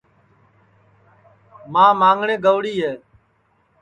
ماں ماںٚگٹؔے گئوڑی ہے